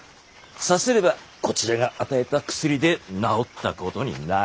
さすればこちらが与えた薬で治ったことになる。